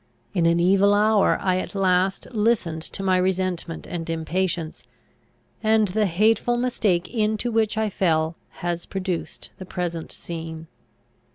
In an evil hour I at last listened to my resentment and impatience, and the hateful mistake into which I fell has produced the present scene.